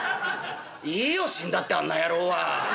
「いいよ死んだってあんな野郎は。